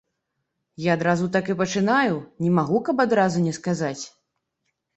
Я адразу так і пачынаю, не магу, каб адразу не сказаць.